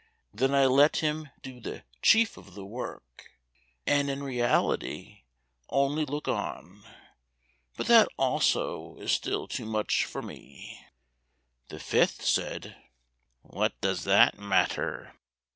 Then I let him do the chief of the work, and in reality only look on; but that also is still too much for me." The fifth said, "What does that matter?